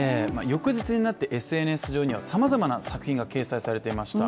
翌日になってＳＮＳ上にはさまざまな作品が掲載されていました。